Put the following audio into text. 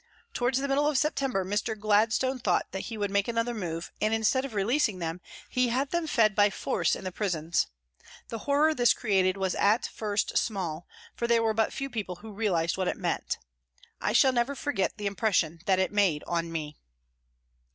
Towards the middle of September, Mr. Gladstone thought that he would make another move and, instead of releasing them, he had them fed by force in the prisons. The horror this created was at first small, for there were but few people who realised what it meant. I shall never forget the impression that it made on me.